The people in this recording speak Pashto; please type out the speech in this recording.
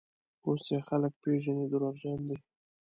اوس یې خلک پېژني: دروغجن دی.